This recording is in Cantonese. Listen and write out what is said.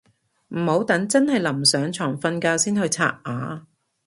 唔好等真係臨上床瞓覺先去刷牙